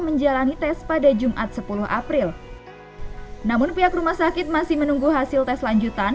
menjalani tes pada jumat sepuluh april namun pihak rumah sakit masih menunggu hasil tes lanjutan